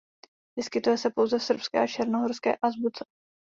Vyskytuje se pouze v srbské a černohorské azbuce.